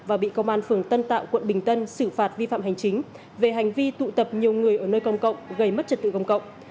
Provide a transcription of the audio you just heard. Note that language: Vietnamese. và bị công an phường tân tạo quận bình tân xử phạt vi phạm hành chính về hành vi tụ tập nhiều người ở nơi công cộng gây mất trật tự công cộng